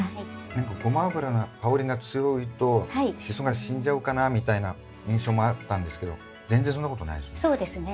何かゴマ油が香りが強いとシソが死んじゃうかなみたいな印象もあったんですけど全然そんなことないですね。